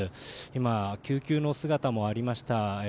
今、救急の姿もありました。